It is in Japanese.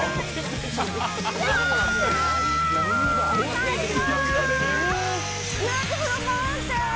最高。